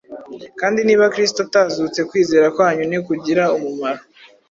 kandi niba kristo atazutse kwizera kwanyu ntikugira umumaro,